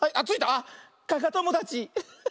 あっかかともだち。